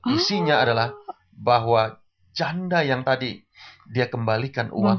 isinya adalah bahwa janda yang tadi dia kembalikan uang